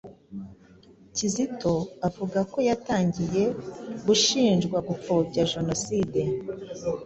Kizito avuga ko yatangiye gushinjwa gupfobya jenoside.